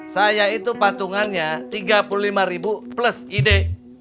saya itu patungannya tiga puluh lima ribu plus ide